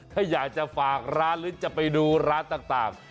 ถ้าอยากจะฝากร้านหรือจะไปดูร้านต่าง